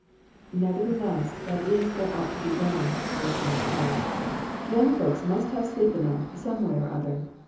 "Nevertheless, that is what ought to be done," Aunt Hannah declared. "Young folks must have sleep enough some way or other.